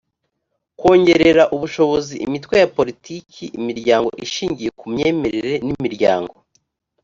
kongerera ubushobozi imitwe ya politiki imiryango ishingiye ku myemerere n imiryango